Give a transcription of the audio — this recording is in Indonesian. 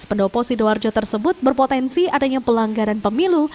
pendopo sidoarjo tersebut berpotensi adanya pelanggaran pemilu